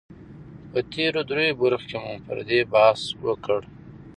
په تېرو دريو برخو کې مو پر دې بحث وکړ